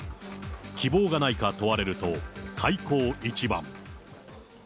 希望がないか問われると、開口一番。